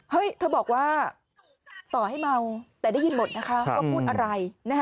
เธอบอกว่าต่อให้เมาแต่ได้ยินหมดนะคะว่าพูดอะไร